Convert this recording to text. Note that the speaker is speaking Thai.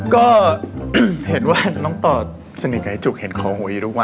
ก็เผ็ดว่าน้องตอสนิดกับที่จุ๊กเห็นเคารโหวตอยู่ทุกวัน